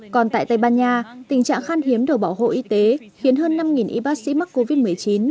còn tại tây ban nha tình trạng khan hiếm đồ bảo hộ y tế khiến hơn năm y bác sĩ mắc covid một mươi chín